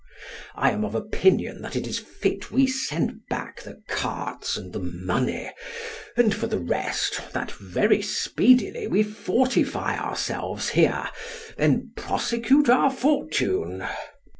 I am of opinion that it is fit we send back the carts and the money, and, for the rest, that very speedily we fortify ourselves here, then prosecute our fortune.